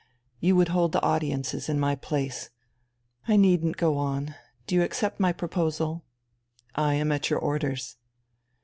You would hold the audiences in my place. I needn't go on. Do you accept my proposal?" "I am at your orders."